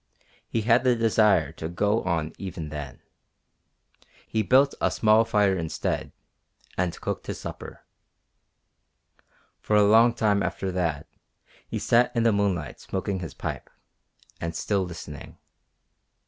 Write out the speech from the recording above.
He had the desire to go on even then. He built a small fire instead, and cooked his supper. For a long time after that he sat in the moonlight smoking his pipe, and still listening.